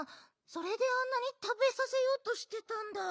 それであんなにたべさせようとしてたんだ。